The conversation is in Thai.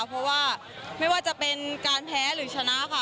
เพราะว่าไม่ว่าจะเป็นการแพ้หรือชนะค่ะ